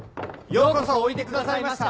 ようこそおいでくださいました！